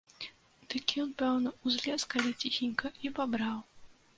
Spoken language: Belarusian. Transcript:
Дык ён, пэўна, узлез калі ціхенька і пабраў.